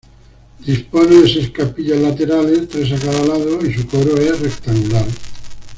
Dispone de seis capillas laterales, tres a cada lado, y su coro es rectangular.